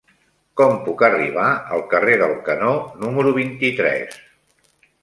Com puc arribar al carrer del Canó número vint-i-tres?